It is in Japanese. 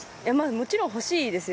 もちろん欲しいですよ